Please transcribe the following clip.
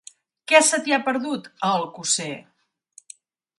Què se t'hi ha perdut, a Alcosser?